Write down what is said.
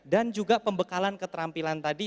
dan juga pembekalan keterampilan tadi